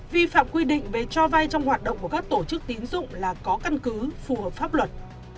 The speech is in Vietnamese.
vi phạm quy định về cho vay trong hoạt động của các tổ chức tín dụng là có căn cứ phù hợp pháp luật